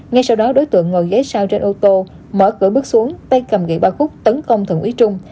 ngay sau đó đối tượng ngồi ghế sau trên ô tô mở cửa bước xuống tay cầm gậy ba khúc tấn công thượng úy trung